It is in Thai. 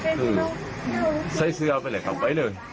คือใส่เสื้อไปเลยครับไว้เลย